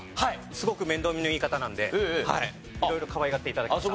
すごく面倒見のいい方なんで色々かわいがって頂きました。